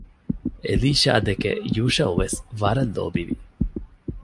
އެލީޝާދެކެ ޔޫޝައުވެސް ވަރަށް ލޯބިވި